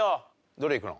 どれいくの？